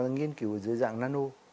nghiên cứu dưới dạng nano